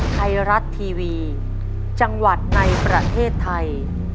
ไทยรัฐทีวีจังหวัดในประเทศไทย